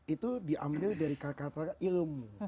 itu diambil dari kata kata ilmu